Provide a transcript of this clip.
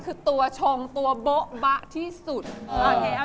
การทำชายร้องเพลงพอฮูก็แค่ถาม